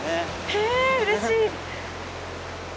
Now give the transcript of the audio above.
へえうれしい！